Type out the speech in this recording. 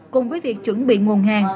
cùng với việc chuẩn bị nguồn hàng